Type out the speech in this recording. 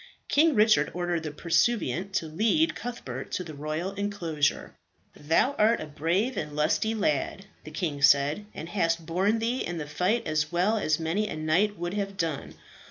King Richard ordered the pursuivant to lead Cuthbert to the royal enclosure. "Thou art a brave lad and a lusty," the king said, "and hast borne thee in the fight as well as many a knight would have done.